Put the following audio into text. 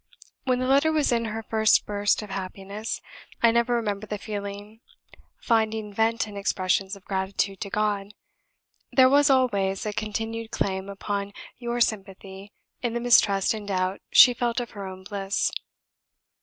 When the latter was in her first burst of happiness, I never remember the feeling finding vent in expressions of gratitude to God. There was always a continued claim upon your sympathy in the mistrust and doubt she felt of her own bliss.